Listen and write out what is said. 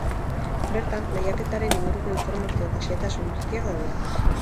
Bertan, lehiaketaren inguruko informazio eta xehetasun guztiak daude.